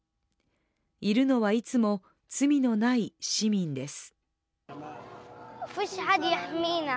いるのはいつも、罪のない市民です。